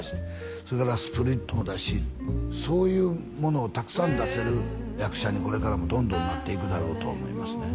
それからスプリットも出しそういうものをたくさん出せる役者にこれからもどんどんなっていくだろうと思いますね